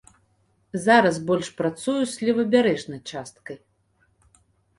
Зараз больш працую з левабярэжнай часткай.